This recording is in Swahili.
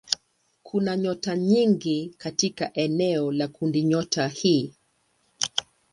Kuna nyota nyingi katika eneo la kundinyota hii.